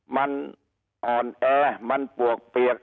มันอ่อนแอมันปวกเปียก